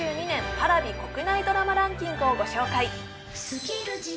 Ｐａｒａｖｉ国内ドラマランキングをご紹介